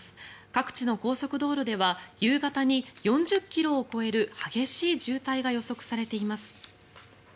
各地の高速道路では夕方に、４０ｋｍを超える激しい渋滞が予測されています。